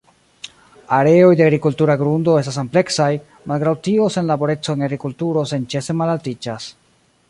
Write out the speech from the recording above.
Areoj de agrikultura grundo estas ampleksaj, malgraŭ tio senlaboreco en agrikulturo senĉese malaltiĝas.